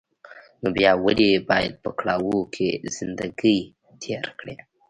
نو بيا ولې بايد په کړاوو کې زندګي تېره کړې.